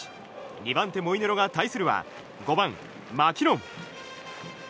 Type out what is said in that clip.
２番手、モイネロが対するは５番、マキノン。